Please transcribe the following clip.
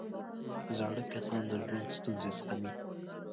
زاړه کسان د ژوند ستونزې زغمي